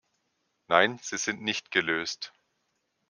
Nein, sie sind nicht gelöst.